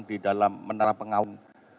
di dalam menara pengawun